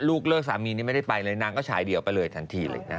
เลิกสามีนี่ไม่ได้ไปเลยนางก็ฉายเดี่ยวไปเลยทันทีเลยนะ